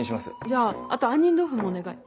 じゃああと杏仁豆腐もお願い。